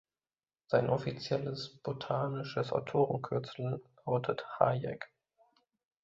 Sein offizielles botanisches Autorenkürzel lautet „Hayek“.